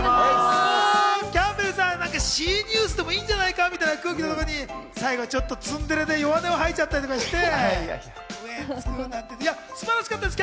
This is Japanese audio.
キャンベルさん、なんかＣニュースでもいいんじゃないかみたいな空気とともに最後ちょっとツンデレで弱音吐いちゃったりして。